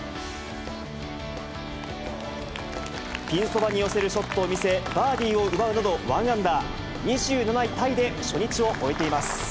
ピンそばに寄せるショットを見せ、バーディーを奪うなど、１アンダー、２７位タイで初日を終えています。